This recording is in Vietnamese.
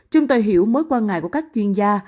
chúng tôi hiểu mối quan ngại của các chuyên gia